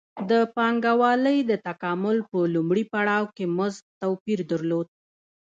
د پانګوالۍ د تکامل په لومړي پړاو کې مزد توپیر درلود